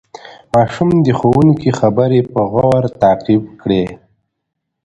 ماشوم د ښوونکي خبرې په غور تعقیب کړې